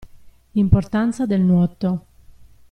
Importanza del nuoto.